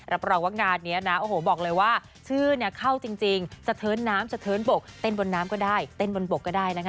รับรองว่างานนี้นะโอ้โหบอกเลยว่าชื่อเข้าจริงสะเทินน้ำสะเทินบกเต้นบนน้ำก็ได้เต้นบนบกก็ได้นะคะ